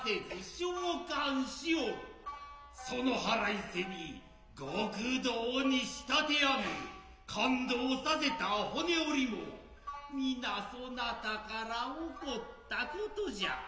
そのはらいせに極道に仕立て上げ勘当させた骨折りも皆そなたから起ったことじゃ。